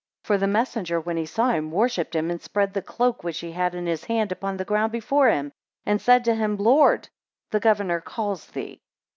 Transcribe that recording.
For the messenger, when he saw him, worshipped him, and spread the cloak which he had in his hand upon the ground before him, and said to him, Lord, the governor calls thee.